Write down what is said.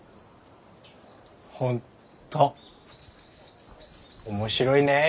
本当面白いねえ。